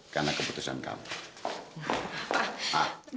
karena keputusan kamu